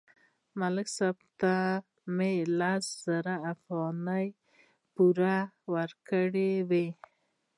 ملک صاحب ته مې لس زره افغانۍ پور ورکړې وې